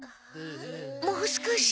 もう少し。